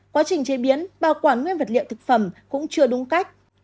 quá trình chế biến bảo quản nguyên vật liệu thực phẩm cũng chưa đúng cách